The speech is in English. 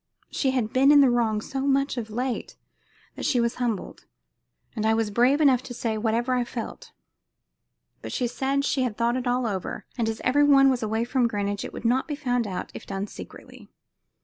She had been in the wrong so much of late that she was humbled; and I was brave enough to say whatever I felt; but she said she had thought it all over, and as every one was away from Greenwich it would not be found out if done secretly.